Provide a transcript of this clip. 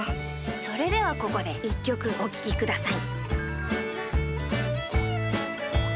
それではここで１きょくおききください。